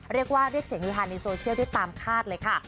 เรียกว่าเรียกเสียงฮือฮาในโซเชียลได้ตามคาดเลยค่ะ